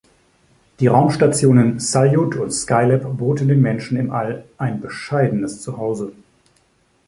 Die Raumstationen Saljut und Skylab boten den Menschen im All ein bescheidenes Zuhause.